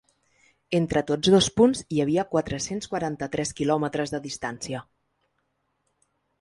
Entre tots dos punts hi havia quatre-cents quaranta-tres quilòmetres de distància.